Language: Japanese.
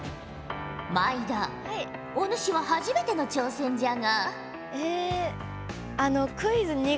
毎田お主は初めての挑戦じゃが。